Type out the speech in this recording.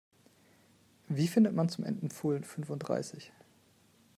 Wie findet man zum Entenpfuhl fünfunddreißig?